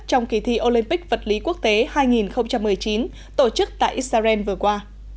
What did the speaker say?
trong kỳ thi olympic vật lý quốc tế hai nghìn một mươi chín tổ chức tại israel vừa qua